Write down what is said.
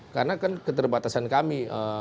karena kan keterbatasan kami